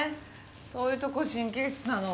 そういうとこ神経質なの。